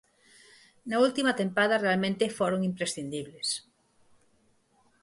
Na última tempada realmente foron imprescindibles.